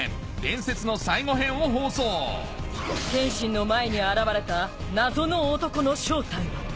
「伝説の最期編」を放送剣心の前に現れた謎の男の正体は？